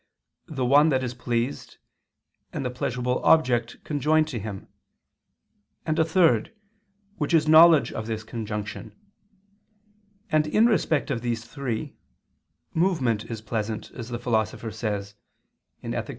the one that is pleased and the pleasurable object conjoined to him; and a third, which is knowledge of this conjunction: and in respect of these three, movement is pleasant, as the Philosopher says (Ethic.